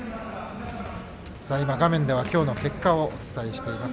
画面ではきょうの結果をお伝えしています。